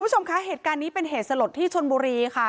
คุณผู้ชมคะเหตุการณ์นี้เป็นเหตุสลดที่ชนบุรีค่ะ